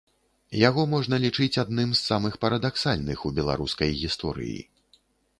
Яго можна лічыць адным з самых парадаксальных у беларускай гісторыі.